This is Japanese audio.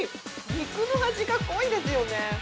肉の味が濃いですよね。